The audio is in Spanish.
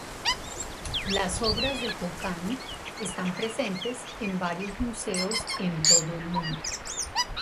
Las obras de Ho Kan están presentes en varios museos en todo el mundo.